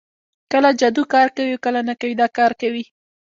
کله جادو کار کوي او کله نه کوي دا کار کوي